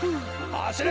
はしれ！